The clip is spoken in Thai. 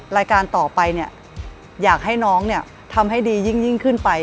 รายการต่อไปเนี่ยอยากให้น้องเนี่ยทำให้ดียิ่งขึ้นไป